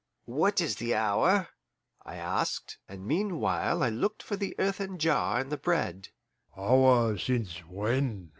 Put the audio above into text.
"What is the hour?" I asked, and meanwhile I looked for the earthen jar and the bread. "Hour since when?"